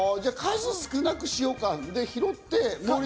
数少なくしようか、で拾って。